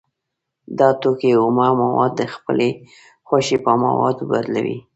دا توکی اومه مواد د خپلې خوښې په موادو بدلوي